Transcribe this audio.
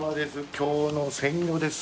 きょうの鮮魚です。